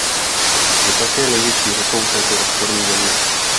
Je také největší řekou této ostrovní země.